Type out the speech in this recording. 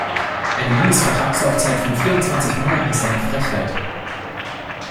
Eine Mindestvertragslaufzeit von vierundzwanzig Monaten ist eine Frechheit.